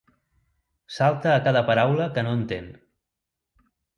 Salta a cada paraula que no entén.